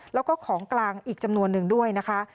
แล้วก็ของกลางอีกจำนวนนึงด้วยนะคะ